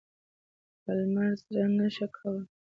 پالمر زړه نه ښه کاوه.